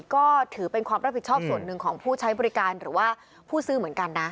ก็ถือเป็นความรับผิดชอบส่วนหนึ่งของผู้ใช้บริการหรือว่าผู้ซื้อเหมือนกันนะ